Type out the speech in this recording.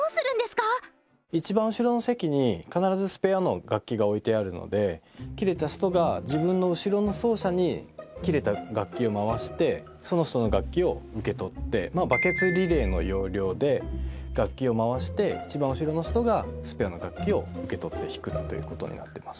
いちばん後ろの席に必ずスペアの楽器が置いてあるので切れた人が自分の後ろの奏者に切れた楽器を回してその人の楽器を受け取ってバケツリレーの要領で楽器を回していちばん後ろの人がスペアの楽器を受け取って弾くということになってます。